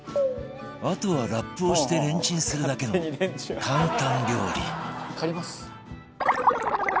あとはラップをしてレンチンするだけの簡単料理